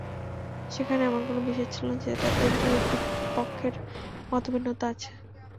সেখানে এমন কোনো বিষয় ছিল না, যেটাতে দুই পক্ষের মতভিন্নতা হয়েছে।